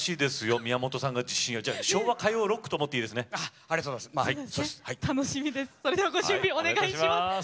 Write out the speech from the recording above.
宮本さんが自信って昭和歌謡ロックと思って楽しみです。